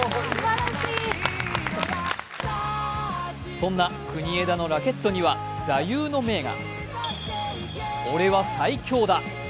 そんな国枝のラケットには座右の銘が。